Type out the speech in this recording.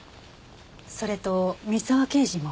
それと三沢刑事も。